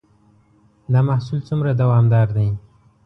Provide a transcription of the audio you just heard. دا محصول څومره دوامدار دی؟